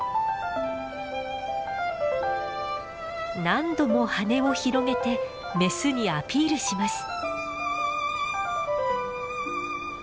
何度も羽を広げてメスにアピールします。